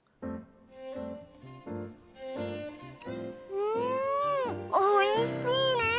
うんおいしいね！